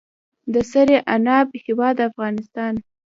د سرې عناب هیواد افغانستان.